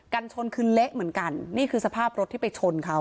กันชนคือเละเหมือนกันนี่คือสภาพรถที่ไปชนเขา